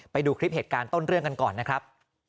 ไปดูคลิปเหตุการณ์ต้นเรื่องกันก่อนนะครับ